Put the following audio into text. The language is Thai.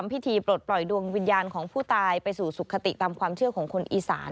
ปลดปล่อยดวงวิญญาณของผู้ตายไปสู่สุขติตามความเชื่อของคนอีสาน